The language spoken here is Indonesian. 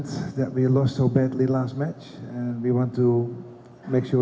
kita telah kalah dengan teruk dalam pertandingan terakhir